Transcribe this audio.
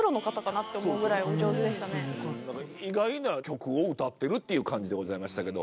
何か意外な曲を歌ってるっていう感じでございましたけど。